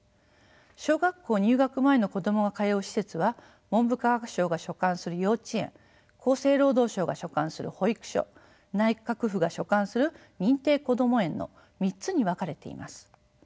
小学校入学前の子どもが通う施設は文部科学省が所管する幼稚園厚生労働省が所管する保育所内閣府が所管する認定こども園の３つに分かれています。